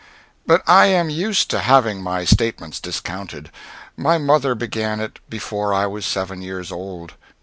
But I am used to having my statements discounted. My mother began it before I was seven years old.